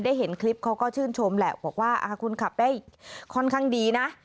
เห็นคลิปเขาก็ชื่นชมแหละบอกว่าคุณขับได้ค่อนข้างดีนะ